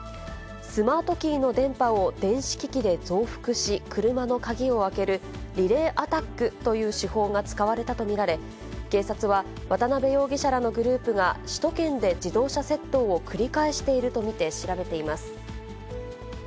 スマートキーの電波を電子機器で増幅し、車の鍵を開けるリレーアタックという手法が使われたと見られ、警察は渡辺容疑者らのグループが、首都圏で自動車窃盗を繰り返していると見て調べています。